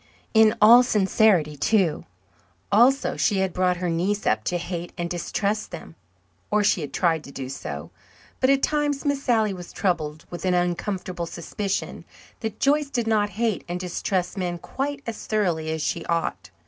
In all sincerity, too. Also, she had brought her niece up to hate and distrust them. Or, she had tried to do so. But at times Miss Sally was troubled with an uncomfortable suspicion that Joyce did not hate and distrust men quite as thoroughly as she ought.